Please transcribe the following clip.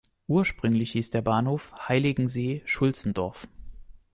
Ursprünglich hieß der Bahnhof "Heiligensee-Schulzendorf".